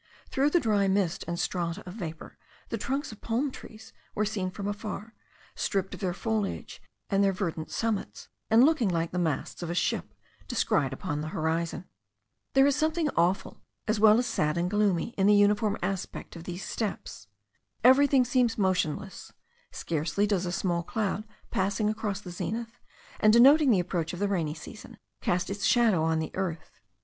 Through the dry mist and strata of vapour the trunks of palm trees were seen from afar, stripped of their foliage and their verdant summits, and looking like the masts of a ship descried upon the horizon. There is something awful, as well as sad and gloomy, in the uniform aspect of these steppes. Everything seems motionless; scarcely does a small cloud, passing across the zenith, and denoting the approach of the rainy season, cast its shadow on the earth.